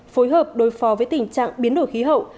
phối hợp đối phó với tình trạng biến đổi khí hậu